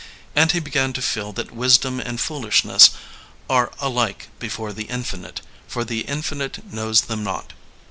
And he began to feel that wisdom and fool ishness are alike before the Infinite, for the Liifinite knows them not.